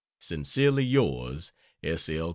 Sincerely yours, S. L.